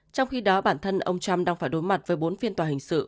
trong khi đó bản thân ông trump đang phải đối mặt với bốn phiên tòa hình sự